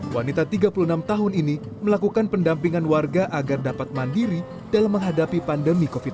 wanita tiga puluh enam tahun ini melakukan pendampingan warga agar dapat mandiri dalam menghadapi pandemi covid sembilan belas